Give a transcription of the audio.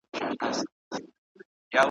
رڼا ورځ به توره شپه وي